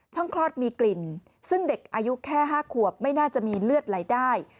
คลอดมีกลิ่นซึ่งเด็กอายุแค่๕ขวบไม่น่าจะมีเลือดไหลได้